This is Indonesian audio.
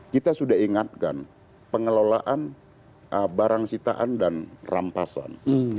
kita sudah ingat kan pengelolaan barang sitaan dan rampasan